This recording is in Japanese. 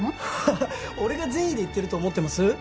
ハッハハ俺が善意で言ってると思ってます？